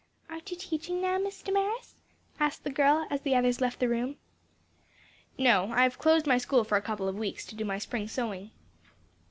"Aren't you teaching now, Miss Damaris?" asked the girl, as the others left the room. "No, I've closed my school for a couple of weeks to do my spring sewing."